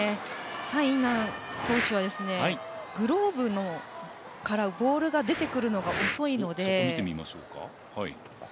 柴イ楠投手はグローブからボールが出てくるのが遅いので。